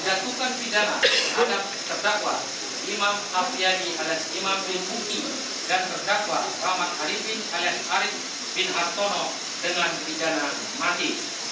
menjatuhkan pidana terdakwa imam afriyadi dan imam singkuti dan terdakwa ramad arifin arif singkartono dengan pidana mati